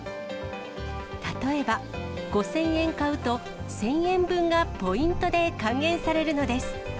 例えば５０００円買うと、１０００円分がポイントで還元されるのです。